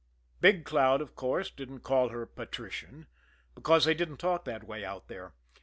Big Cloud, of course, didn't call her patrician because they didn't talk that way out there.